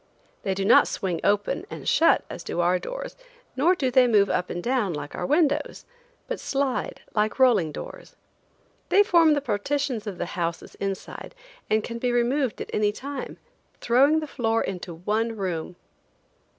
They do not swing open and shut as do our doors, nor do they move up and down like our windows, but slide like rolling doors. They form the partitions of the houses inside and can be removed at any time, throwing the floor into one room.